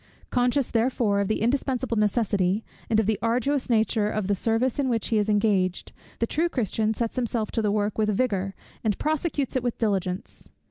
Conscious therefore of the indispensable necessity, and of the arduous nature of the service in which he is engaged, the true Christian sets himself to the work with vigour, and prosecutes it with diligence.